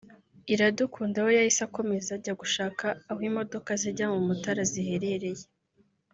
Iradukunda we yahise akomeza ajya gushaka aho imodoka zijya mu Mutara ziherereye